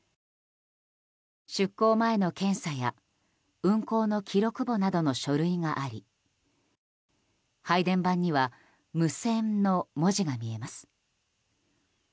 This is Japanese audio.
出航前の検査や運航の記録簿などの書類があり配電盤には「ムセン」の文字が見えます。